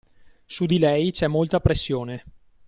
Su di lei c'è molta pressione